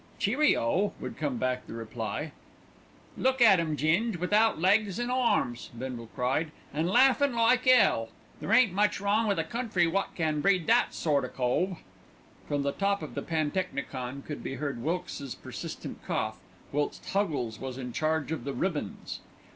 "Cheerio!" would come back the reply. "Look at 'em, Ging, without legs an' arms," Bindle cried, "an' laughin' like 'ell. There ain't much wrong with a country wot can breed that sort o' cove." From the top of the pantechnicon could be heard Wilkes's persistent cough, whilst Huggles was in charge of the "ribbons."